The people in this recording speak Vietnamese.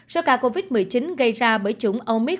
do ca covid một mươi chín gây ra bởi chủng omicron